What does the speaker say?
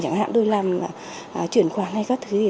chẳng hạn tôi làm chuyển khoản hay các thứ gì